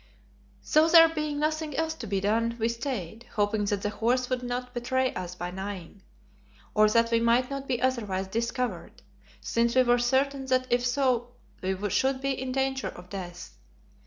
So there being nothing else to be done, we stayed, hoping that the horse would not betray us by neighing, or that we might not be otherwise discovered, since we were certain that if so we should be in danger of death.